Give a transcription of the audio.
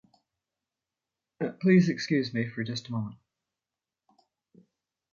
Please excuse me for just a moment.